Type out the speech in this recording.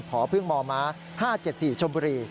ผอพึ่งหมอม้า๕๗๔ชม